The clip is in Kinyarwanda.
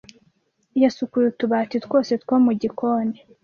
Yasukuye utubati twose two mu gikoni.